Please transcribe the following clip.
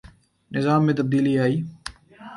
نظام میں تبدیلی آئے۔